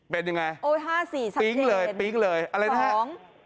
เป็นอย่างไรปิ๊งเลยอะไรนะฮะโอ้๕๔๓๑๒๙๓